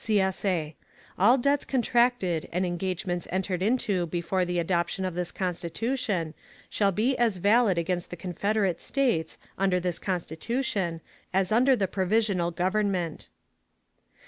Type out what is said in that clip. _ [CSA] All debts contracted and engagements entered into before the adoption of this Constitution shall be as valid against the Confederate States under this Constitution as under the Provisional Government.